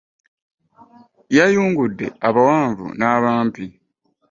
Yayungudde abawanvu n'abampi.